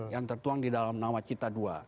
yang tertuang di dalam nawacita ii